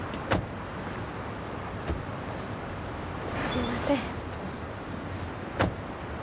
すいません。